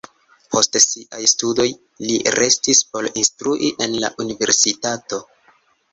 Post siaj studoj li restis por instrui en la universitato.